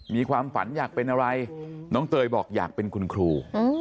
มีความฝันอยากเป็นอะไรน้องเตยบอกอยากเป็นคุณครู